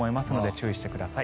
注意してください。